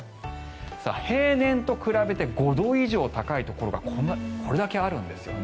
平年と比べて５度以上高いところがこれだけあるんですよね。